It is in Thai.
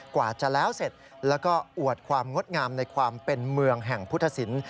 กว่าจะแล้วเสร็จแล้วก็อวดความงดงามในความเป็นเมืองแห่งพุทธศิลป์